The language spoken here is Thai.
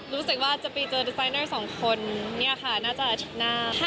รู้สึกว่าจะไปเจอดีไฟเนอร์สองคนเนี่ยค่ะน่าจะอาทิตย์หน้าค่ะ